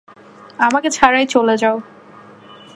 আমাকে ছাড়াই চলে যাও।